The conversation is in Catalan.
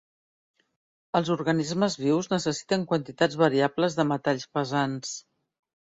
Els organismes vius necessiten quantitats variables de metalls pesants.